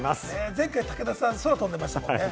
前回、武田さん空飛んでましたもんね。